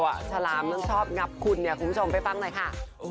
ฉลามชอบงับขุนคุณผู้ชมไปฟังหน่อยค่ะ